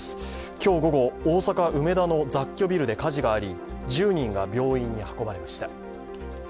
今日午後、大阪・梅田の雑居ビルで火事があり、１０人が病院に運ばれました。